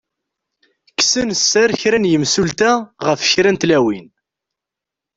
Kksen sser kra n yemsulta ɣef kra n tlawin.